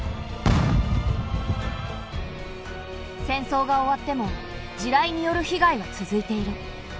戦争が終わっても地雷による被害は続いている。